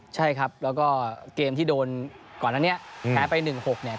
ใช่ครับแล้วก็เกมที่โดนก่อนแล้วเนี่ยแพ้ไปหนึ่งหกเนี่ย